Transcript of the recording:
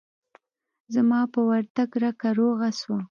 زما په ورتگ رکه روغه سوه.